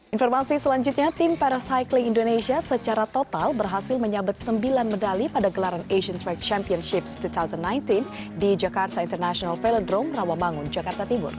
informasi selanjutnya tim paracycling indonesia secara total berhasil menyabet sembilan medali pada gelaran asian track championships dua ribu sembilan belas di jakarta international velodrome rawamangun jakarta tibur